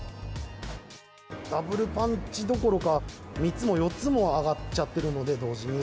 ダブルパンチどころか、３つも４つも上がっちゃってるので、同時に。